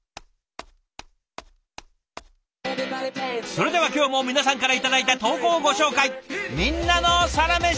それでは今日も皆さんから頂いた投稿をご紹介。